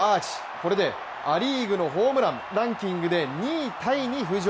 これでア・リーグのホームランランキングで２位タイに浮上。